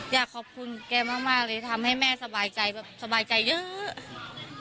อยากขอบคุณแกมากเลยทำให้แม่สบายใจแบบสบายใจเยอะ